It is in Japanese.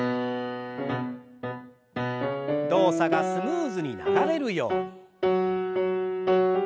動作がスムーズに流れるように。